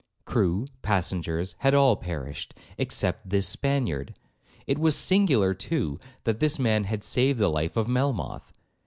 Crew, passengers, all had perished, except this Spaniard. It was singular, too, that this man had saved the life of Melmoth.